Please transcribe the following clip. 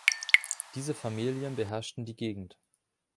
Diese Familien beherrschten die Gegend.